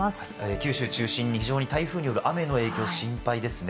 九州中心に非常に台風による雨の影響心配ですね。